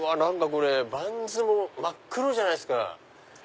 これバンズ真っ黒じゃないですか。